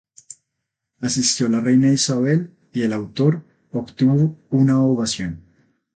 Asistió la Reina Isabel, y el autor obtuvo una ovación.